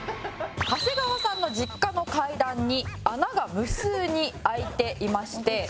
長谷川さんの実家の階段に穴が無数に開いていまして。